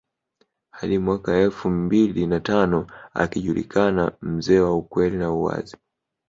Hadi mwaka elfu mbili na tano akijulikana mzee wa ukweli na uwazi